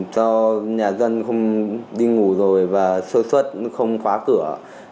cho nhà dân không đi ngủ rồi và sơ xuất không khóa cửa